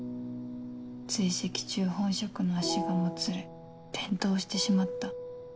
追跡中本職の足がもつれ転倒してしまった。